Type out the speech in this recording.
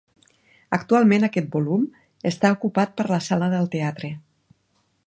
Actualment aquest volum està ocupat per la sala del teatre.